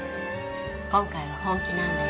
今回は本気なんだね。